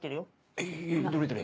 えどれどれ。